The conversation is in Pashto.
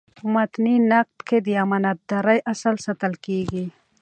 په متني نقد کي د امانت دارۍاصل ساتل کیږي.